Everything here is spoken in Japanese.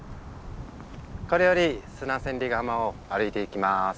これより砂千里ヶ浜を歩いていきます。